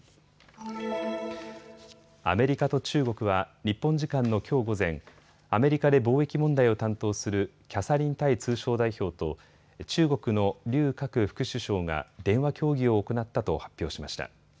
アメリカと中国は日本時間のきょう午前、アメリカで貿易問題を担当するキャサリン・タイ通商代表と中国の劉鶴副首相が電話協議を行ったと発表しました。